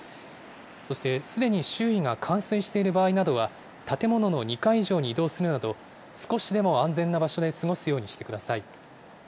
そして、すでに周囲が冠水している場合などは、建物の２階以上に移動するなど、少しでも安全な場所で過ごすようにしてください。